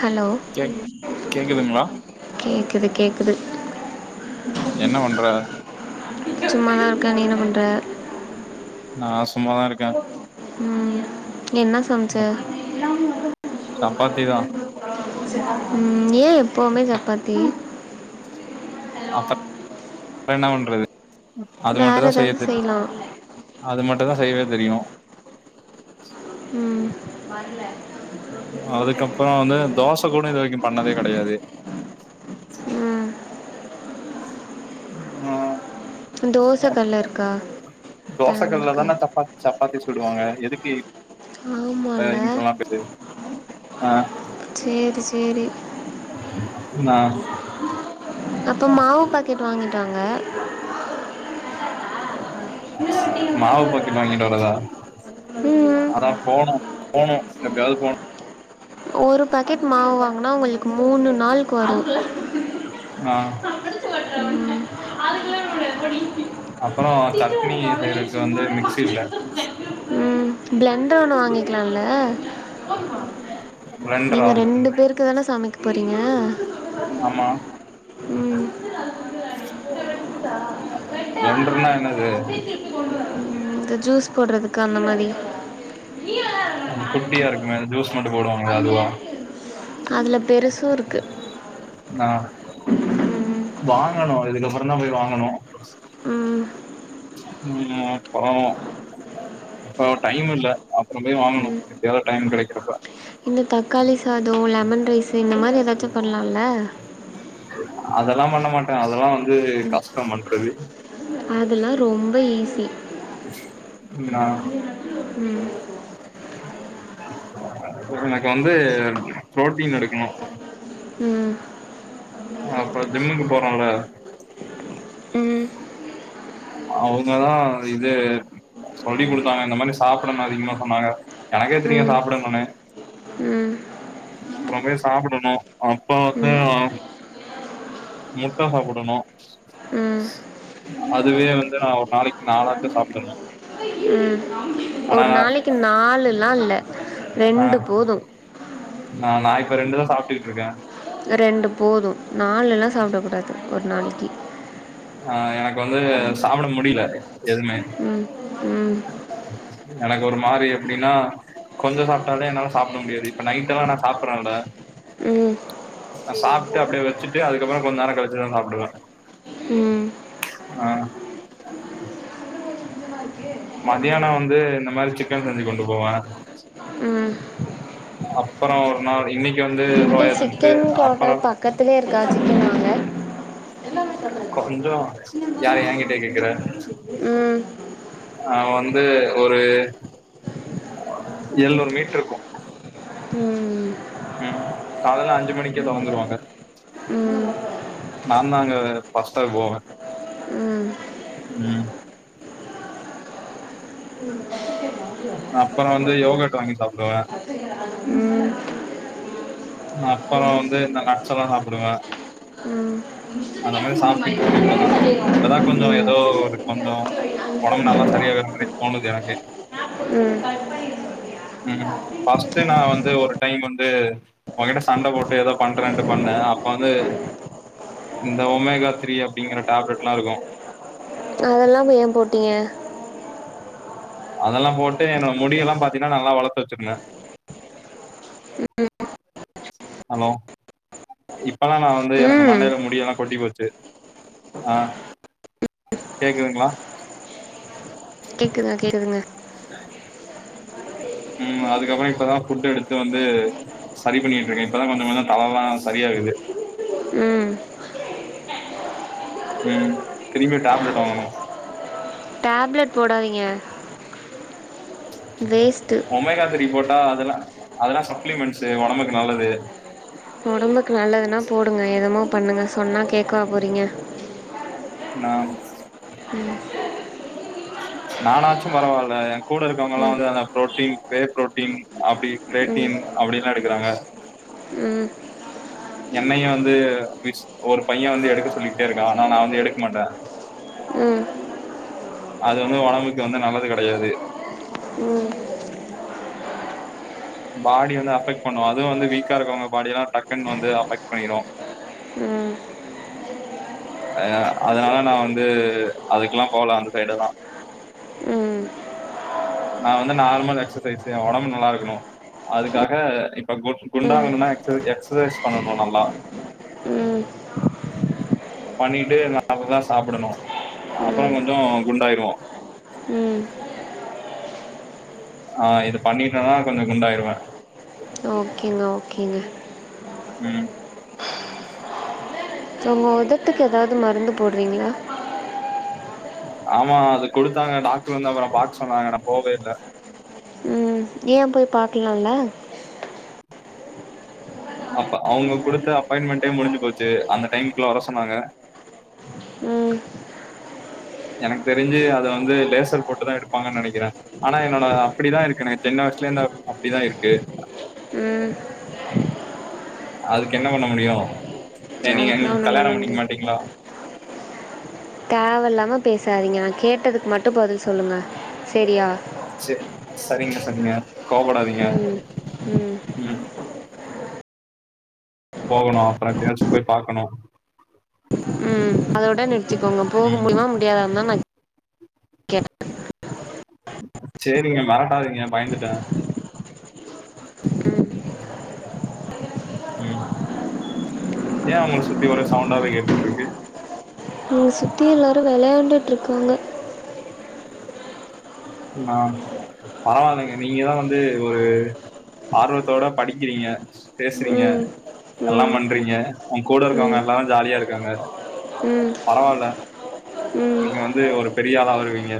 Hello கே கேக்குதுங்களா கேக்குது கேக்குது என்ன வண்ற சும்மாதா இருக்க நீ என்ன பண்ற நா சும்மாதா இருக்கே ம் என்ன சம்ச்ச சப்பாத்தி தா ம் ஏ எப்பவுமே சப்பாத்தி அப்ற என்ன வண்றது அது வேற மட்டு தா செய்ய ஏதாவது தெரியு செய்யலாம் அது மட்டும் தா செய்யவே தெரியு ம் அதுக்கப்புறோ வந்து தோச கூட இது வரைக்கு பண்ணதே கெடையாது ம் ம் தோசை கல்ல இருக்கா தோச பேன் கல்ல இருக்கா தான சப்பாத் சப்பாத்தி சுடுவாங்க எதுக்கு ஆமால்ல [unintelligible] ஆ சேரி சேரி நா அப்போ மாவு பாக்கெட் வாங்கிட்டு வாங்க மாவு பாக்கெட் வாங்கிட்டு வரதா ம் ம் அதா போனு போனு எப்பயாவது போனு ஒரு பாக்கெட் மாவு வாங்குனா உங்களுக்கு மூணு நாள்க் வரு ஆ ம் அப்புறோ திட்டு சட்னி வாங்குறதுக்கு அவளையே செய்யறக்கு வந்து சும்மாவே மிக்சி இல்ல மாட்டிட்டு இருக்கேன். ம் பிளண்டர் ஒண்ணு வாங்கிக்கலாம்ல நீங்க பிளண்டரா ரெண்டு பேருக்கு தான சமைக்க போறீங்க ஆமா இதை ப்ளேன்டர்னா என்னது ம் இந்த ஜூஸ் போடுறதுக்கு அந்த மாரி ஒன் குட்டியாருக்குமே அது ஜூஸ் மட்டு போடுவாங்களே அதுவா அதுல பெருசு இருக்கு ஆ ம் வாங்கணு இதுக்கப்புறோ தா போய் வாங்கணு ம் ம் அப்புறோ இப்போ டைமில்ல அப்புறோ போய் வாங்கணு ம் எப்பயாவது டைம் கெடைக்கிறப்ப இந்த தக்காளி சாதோ லெமன் ரைஸு இந்த மாரி எதாச்சு பண்லால்ல அதெல்லா பண்ண மாட்டேன் அதெல்லா வந்து கஷ்டோ பண்றது அதெல்லா ரொம்ப ஈஸி ஆ ம் எனக்கு வந்து புரோட்டீன் எடுக்கணு ம் அப்புறோ ஜிம்முக்கு போறோல ம் அவுங்கதா இது சொல்லி குடுத்தாங்க இந்த மாரி சாப்பிடணு அதிகமா சொன்னாங்க எனக்கே தெரியு ம் சாப்பிடணுன்னு ம் அப்புறமே சாப்புடணு அப்பறோ வந்து ம் முட்ட சாப்புடணு ம் ம் அதுவே வந்து நா ஒரு நாளைக்கி நாலாச்சு சாப்புடணு ம் ஒரு நாளைக்கி நாலுல்லா இல்ல ரெண்டு போது ஆ நா இப்ப ரெண்டுதா சாப்பிட்டுட்டு இருக்கே ரெண்டு போது நாலுல்லா சாப்பிட கூடாது ஒரு நாளைக்கி ஆ எனக்கு வந்து சாப்புட முடில எதுவுமே ம் ம் எனக்கு ஒரு மாரி எப்பிடின்னா கொஞ்சோ சாப்புட்டாலே என்னால சாப்புட முடியாது இப்ப நைட்டெல்லா நா சாப்புறேல ம் நா சாப்ட்டு அப்டியே வச்சிட்டு அதுக்கப்பற கொஞ் நேர கழிச்சுதா சாப்டுவே ம் ஆ மதியான வந்து இந்த மாரி சிக்கன் செஞ்சு கொண்டு போவே ம் அப்பற ஒரு நாள் இன்னைக்கி வந்து அப்டி சோயா பன்ஸ் சிக்கன் அப்புறோ கார்டர் பக்கத்திலே இருக்கா சிக்கன் வாங்க கொஞ்சோ யார என்கிட்ட ம் ஆ வந்து ஒரு எழ்னூறு மீட்டுருக்கு ம் ம் ம் காலல அஞ்சு மணிக்கே தொறந்துருவாங்க ம் நா தாங்க ஃபஸ்டே போவே ம் ம் ே [unintelligible] அப்பற வந்து யோகட் வாங்கி சாப்டுவே ம் அப்பற வந்து இந்த நட்ச்சல்லா சாப்டுவே ம் அந்த இஷ்டத்துக்கு இறக்க மாரி முடியுமா சாப்ட்டுகிட்டு இது இருக்கே இப்பதா இப்பதா கொஞ்சோ ம் ஏதோ ஒரு கொஞ்சோ ஒடம்பு நல்லா சரியாகுற மாரி தோணுது எனக்கே ம் ம் ஃபஸ்ட்டு நா வந்து ஒரு டைம் வந்து ஓங்கிட்ட சண்ட போட்டு ஏதோ பண்றேன்ட்டு பண்ணே அப்ப வந்து இந்த ஒமேகா த்ரீ அப்பிடிங்ற டேப்லெட்ல்லா இருக்கு அதல்லா போய் ஏ போட்டீங்க அதல்லா போட்டு என்னோட முடியெல்லா பாத்தீன்னா நல்லா வளத்து வச்சிருந்தே ஹலோ இப்பல்லா நா வந்து எனக்கு ம் மண்டையில முடி எல்லா கொட்டி போச்சு ஆ கேக்குதுங்ளா கேக்குதுங்க கேடக்குதுங்க ம் அதுக்கப்பற இப்பதா ஃபுட்டு எடுத்து வந்து சரி பண்ணிட்டுருக்கே இப்பதா கொஞ்ச கொஞ்ச தலலா சரியாகுது ம் ம் திரும்பி டேப்லெட் வாங்கணு டேப்லெட் போடாதீங்க வேஸ்ட்டு ஒமைகாத்ரி போட்டா அதெல்லா அதெல்லா சப்ளிமெண்ட்ஸ்சு ஒடம்புக்கு நல்லது ஒடம்புக்கு நல்லதுன்னா போடுங்க என்னமோ பண்ணுங்க சொன்னா கேக்கவா போறீங்க நான்ஸ் ம் நானாச்சு பரவாயில்ல எ கூட ம் இருக்கவங்கல்லா ம் வந்து அந்த புரோட்டீன் பே போரோட்டீன் அப்டி ம் கேரேடீன் அப்டின்ல்லா எடுக்கிறாங்க ம் என்னையு வந்து விஸ் ஒரு பைய வந்து எடுக்க சொல்லிட்டே இருக்கா ஆனா நா வந்து எடுக்க மாட்டே ம் அது வந்து ஒடம்புக்கு வந்து நல்லது கெடையாது ம் பாடி வந்து அஃபெக்ட் பண்ணு அதுவு வந்து வீக்கா இருக்கவுங்க பாடி எல்லா டக்குன் வந்து அஃபெக்ட் பண்ணீரு ம் அத அதுனால நா வந்து அதுக்கெல்லா போல அந்த சைடுலா ம் நா வந்து நார்மல் எக்சசைஸ் செய்வ எ ஒடம்பு நல்லார்க்கணு அதுக்காக இப்ப கு ம் குண்டாங்கணுன்னா எக்சசு எக்ஸசைஸ் பண்ணனு நல்லா ம் பண்ணிட்டு நல்லா சாப்பிடணு அப்பறோ கொஞ்சோ குண்டாய்ருவோ ம் ஆ இது பண்ணிட்டனா கொஞ்சோ குண்டாய்ருவே ஓகேங்க ஓகேங்க ம் உங்க ஒதட்டுக்கு எதாது மருந்து போட்றீங்ளா ஆமா அது குடுத்தாங்க டாக்டர் வந்து அப்பறோ பாக் சொன்னாங்க நா போவே இல்ல ஏ போய் பாக்கலால்ல அப்ப அவுங்க குடுத்த அப்பாயிண்மெண்ட் டைம் முடிஞ்சு போச்சு அந்த டைம்க்குள்ள வர சொன்னாங்க ம் எனக் தெரிஞ்சு அத வந்து லேசர் போட்டுதா எடுப்பாங்கன் நெனைக்கிறே ஆனா என்னோட அப்பிடிதா இருக்கு எனக் சின்ன வய்சுலர்ந்து அப் அப்டிதா இருக்கு ம் அதுக் என்ன பண்ண முடியு ஏ நீங்க அதுக்கெலாம் நீங் ஒன்றும் பண்ண கல்யாணம் பண்ணிக் முடியாது மாட்டீங்ளோ தேவல்லாம பேசாதீங்க நா கேட்டதுக் மட்டு பதில் சொல்லுங்க செரியா சேரிங் சரிங்க சரிங்க கோவப்படாதீங்க ம் ம் போகணு அப்பறோ பேஸ் போய் பாக்கணு ம் அதோட நிறுத்திக்கோங்க போக ம் முடியுமா முடியாதான் தா நா சேரிங்க மெரட்டாதீங்க பய்ந்துட்டே ம் ம் ஏ உங்களுக் சுத்தி வர சவுண்டாவே கேட்டுக்ட்ருக்கு இங்க சுத்தி எல்லாரு வெளயாண்டுட்ருக்காங்க நாம் பரவால்லைங்க நீங்கதா வந்து ஒரு ஆர்வத்தோட படிக்கிறீங்க பேசறீங்க ம் எல்லா ம் பண்றீங்க உங் கூட ம் இருக்கவ்ங்க எல்லாரு ஜாலியா இருக்காங்க ம் பரவால்ல ம் நீங்க வந்து ஒரு பெரிய ஆளா வருவீங்க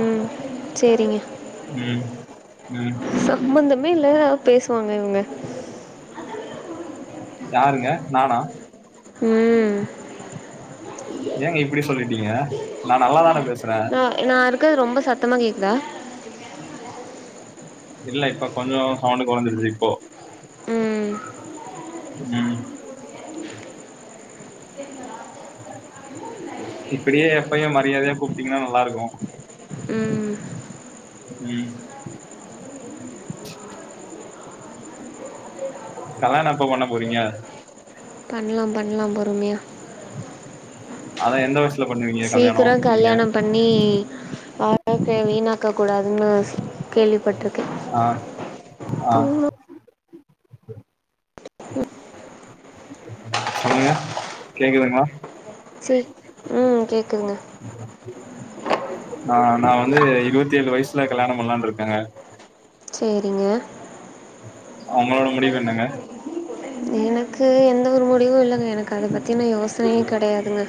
ம் செரிங்க ம் ம் சம்மந்தமே இல்ல பேசுவாங்க இவங்க யாருங்க நானா ம் ஏங்க இப்பிடி சொல்லிட்டீங்க நா நல்லாதான பேசறே அ இல் நா இருக்கறது ரொம்ப சத்தமா கேக்குதா இல்ல இப்ப கொஞ்சோ சவுண்டு கொறஞ்சிருச்சு இப்போ ம் ம் இப்பிடியே எப்பயு மரியாதையா கூப்ட்டீங்கனா நல்லாருக்கு ம் ம் கல்யாண எப்ப பண்ண போறீங்க பண்லா பண்லா பொறுமையா அதா எந்த வயசுல பண்ணுவீங்க கல்யாண நீங்க நீ வாழ வீணாக்கக் கூடாதுன்னு கேள்விப்பட்டிரு ஆ ஆ சொல்லுங்க கேக்குதுங்கலா சேரி ம் கேக்குதுங்க ஆ நா வந்து இருபத்தி ஏழு வயசுல கல்யாண பண்ணலாம்னு இருக்கேங்க சேரிங்க ஒங்களோட முடிவு என்னங்க எனக்கு எந்த ஒரு முடிவு இல்லங்க எனக்கு அதை பத்துன்னா யோசனையே கெடையாதுங்க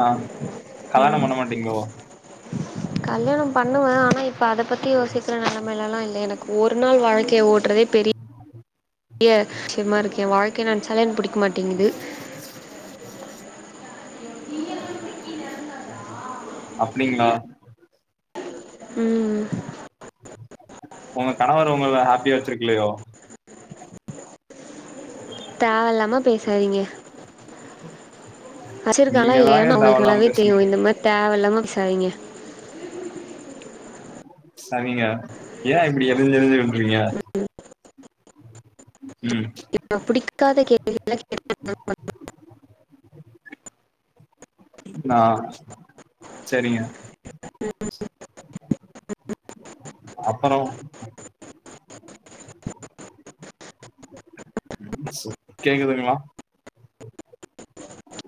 ஆ கல்யாணம் பண்ண மாட்டீங்களோ கல்யாணாம் பண்ணுவே ஆனா இப்ப அத பத்தி யோசிக்கறே நி நிலமைலா இல்ல எனக்கு ஒரு நாள் வாழ்க்கை ஓட்றதே பெரிய பெரிய இதுவா இருக்கு எ வாழ்கைய நினைச்சாலே பிடிக்க மாட்டேங்குது அப்படிங்களா ம்ம் உங்க கணவர் உங்கள ஹாப்பியா வச்சிருக்கலையோ தேவ இல்லாம பேச பேசாதிங்க வச்சு இருக்காற நீங்க தாங்க இல்லயையானு உங்களுக்கு தேவயில்லாம நல்லாவே பேசுனீங்க தெரியு இந்த மாறி தேவ இல்லாம பேசாதீங்க சேரிங்க ஏன் இப்டி எருஞ்சி எருஞ்சி விழுறீங்க ம் பிடிக்காத கேள்வி கேக்கு [unintelligible] [unintelligible] ஆ சேரிங்க அப்புற கேக்குதுங்களா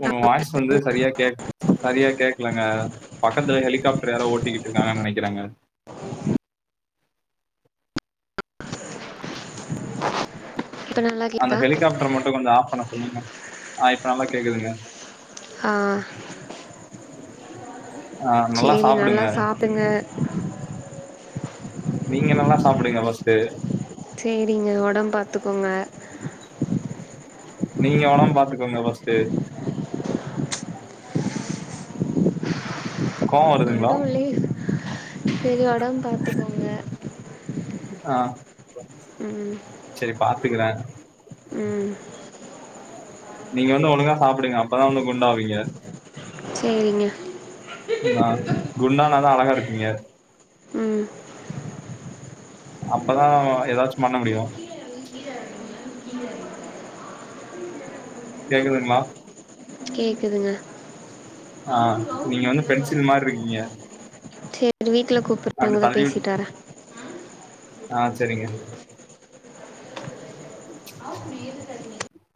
உங்க வாய்ஸ் வந்து சரியா கேக் சரியா கேக் இல்லங்க பக்கத்துல ஹெலிகாப்டர் யாரோ ஓட்டிக்கிட்டு இருக்காங்கனு நினைக்கிறேங்க இப்ப நல்லா அந்த கேக்குதா ஹெலிகாப்டர் மட்டு கொஞ்ச ஆஃப் பண்ண சொல்லுங்க ஆ இப்ப நல்லா கேக்குதுங்க ஆ ஆ சேரி நல்லா சாப்டுங்க சாப்பிடுங்க நீங்க நல்லா சாப்பிடுங்க பஸ்ட்டு சேரிங்க உடம்பு பாத்துக்கோங்க நீங்க உடம்ப பார்த்துக்கோங்க ஃபஸ்டு கோவம் வருதுங்களா நடுவுலே சேரி உடம்ப பாத்துக்கோங்க ஆ ம் சேரி பாத்துக்கறே ம் நீங்க வந்து ஒழுங்கா சாப்பிடுங்க அப்பதான் வந்து குண்டாவீங்க சரிங்க ஆ குண்டானாதான் அழகா இருக்கீங்க ம் அப்பதா ஏதாச்சு பண்ண முடியு கேக்குதுங்லா கேக்குதுங்க ஆ நீங்க வந்து பென்சில் மாரிருக்கீங்க சேரி வீட்ல கூப்பிறாங்க நா தள்ளி விட் பேசிட்டு வாரே ஆ சரிங்க